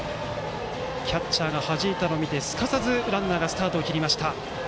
キャッチャーがはじいたのを見てすかさずランナーがスタートを切りました。